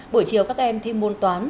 buổi chiều các em thi môn toán